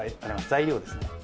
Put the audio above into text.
材料ですね。